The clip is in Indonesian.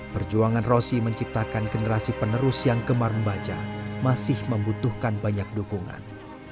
perjuangan rosi menciptakan generasi penerus yang gemar membaca masih membutuhkan banyak dukungan